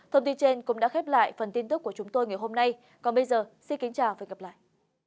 thông tin trên cũng đã khép lại phần tin tức của chúng tôi ngày hôm nay còn bây giờ xin kính chào và hẹn gặp lại